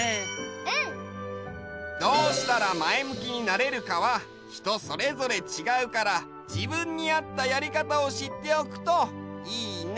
うん！どうしたらまえむきになれるかはひとそれぞれちがうからじぶんにあったやりかたをしっておくといいね！